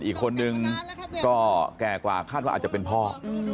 อีกคนนึงก็แก่กว่าคาดว่าอาจจะเป็นพ่อ